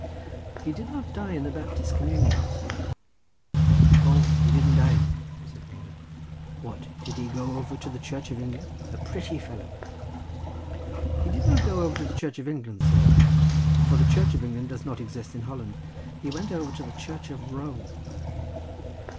"He did not die in the Baptist communion," said I. "Oh, he didn't die in it," said Morgan. "What, did he go over to the Church of England? a pretty fellow!" "He did not go over to the Church of England," said I, "for the Church of England does not exist in Holland; he went over to the Church of Rome."